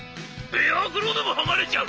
ベアークローでも測れちゃう！」。